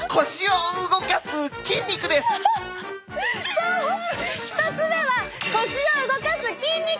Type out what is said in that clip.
そう１つ目は腰を動かす筋肉！